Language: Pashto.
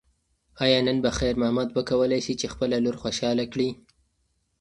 ایا نن به خیر محمد وکولی شي چې خپله لور خوشحاله کړي؟